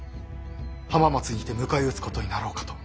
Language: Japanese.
浜松にて迎え撃つことになろうかと。